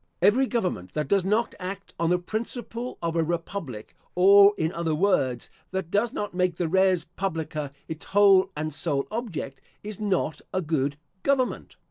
Every government that does not act on the principle of a Republic, or in other words, that does not make the res publica its whole and sole object, is not a good government.